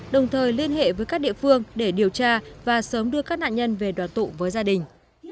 đồng thời liên hệ với các địa phương để điều tra và sớm đưa các nạn nhân về đoàn tụ với gia đình